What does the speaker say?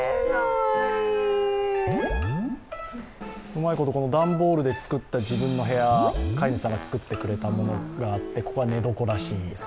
うまいこと、段ボールで作った自分の部屋、飼い主さんがつくってくれたものがあって、ここが寝床らしいです。